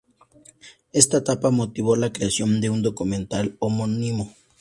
Esta tapa motivó la creación de un documental homónimo.